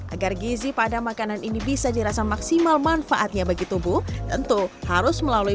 agar gizi pada makanan ini bisa dirasa maksimal manfaatnya bagi tubuh tentu harus melalui